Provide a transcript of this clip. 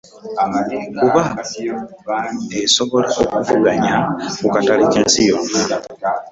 Kuba esobola okuvuganya ku katale k'ensi yonna.